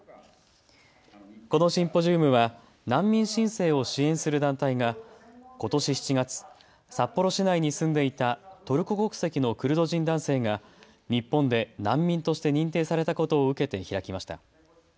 このシンポジウムは難民申請を支援する団体がことし７月、札幌市内に住んでいたトルコ国籍のクルド人男性が日本で難民として認定されたことを受けて開きました。